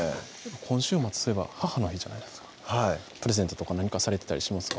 今週末そういえば母の日じゃないですかプレゼントとか何かされてたりしますか？